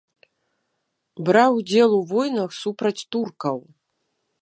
Браў удзел у войнах супраць туркаў.